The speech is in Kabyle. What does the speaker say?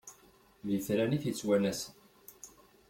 D itran i t-ittwanasen.